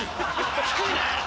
低いね！